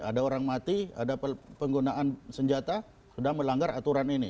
ada orang mati ada penggunaan senjata sudah melanggar aturan ini